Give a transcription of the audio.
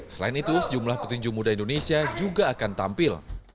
selain itu sejumlah petinju muda indonesia juga akan tampil